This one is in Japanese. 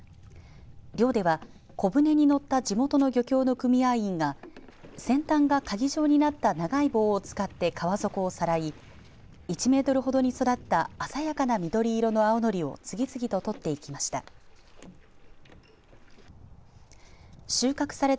漁では小舟に乗った地元の漁協の組合員が先端がかぎ状になった長い棒を使って川底をさらい１メートルほどに育った鮮やかな緑色の青のりを次々と取っていきました。